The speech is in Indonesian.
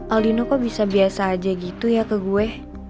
aldino kok bisa biasa aja gitu ya ke gue